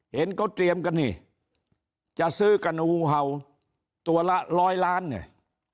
เห็นเขาเตรียมกันนี่จะซื้อกันตัวละร้อยล้านน่ะ